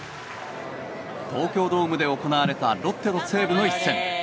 東京ドームで行われたロッテ対西武の一戦。